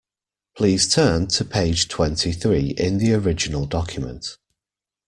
Please turn to page twenty-three in the original document